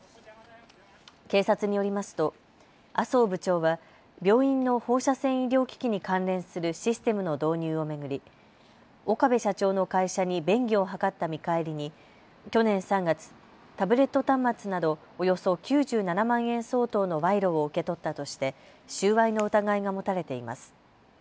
警察によりますと麻生部長は病院の放射線医療機器に関連するシステムの導入を巡り、岡部社長の会社に便宜を図った見返りに去年３月、タブレット端末などおよそ９７万円相当の賄賂を受け取ったとして収賄の疑いが持たれています。